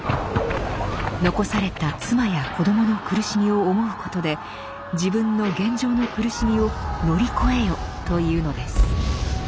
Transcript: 残された妻や子どもの苦しみを思うことで自分の現状の苦しみを乗り越えよと言うのです。